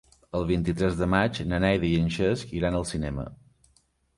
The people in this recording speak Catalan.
El vint-i-tres de maig na Neida i en Cesc iran al cinema.